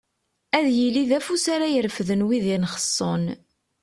Ad yili d afus ara irefden wid yenxessen.